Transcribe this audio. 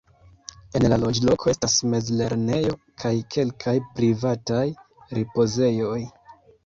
En la loĝloko estas mez-lernejo kaj kelkaj privataj ripozejoj.